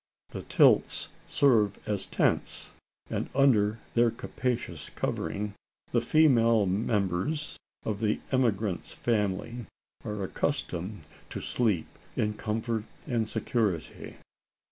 The tilts serve as tents; and under their capacious covering the female members of the emigrant's family are accustomed to sleep in comfort and security.